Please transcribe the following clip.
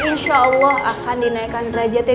insyaallah akan dinaikkan rajatnya